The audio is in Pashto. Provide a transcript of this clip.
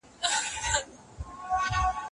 که ګډ کار ترسره سي، نو نتائج اغیزناکه کیږي.